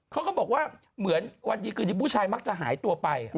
เขาก็บอกว่าเหมือนวันดีคืนนี้ผู้ชายมักจะหายตัวไป